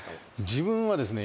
自分はですね